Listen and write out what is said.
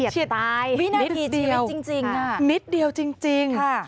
คือนิดเดียวจริงค่ะชีวิตตายวินาทีชีวิตจริงค่ะค่ะ